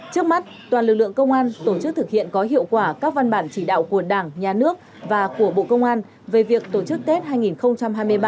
trước mắt toàn lực lượng công an tổ chức thực hiện có hiệu quả các văn bản chỉ đạo của đảng nhà nước và của bộ công an về việc tổ chức tết hai nghìn hai mươi ba